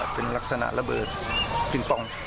เป็นลักษณะระเบิดปิงปอง